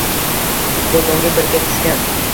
Do‘konga birga tushgan